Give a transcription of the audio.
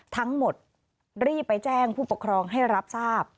ทั้งหมดรีบไปแจ้งผู้ปกครองให้รับทราบ